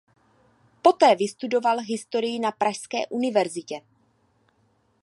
Poté vystudoval historii na pražské univerzitě.